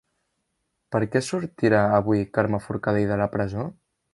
Per què sortirà avui Carme Forcadell de la presó?